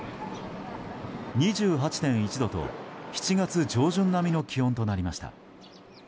２８．１度と、７月上旬並みの気温となりました。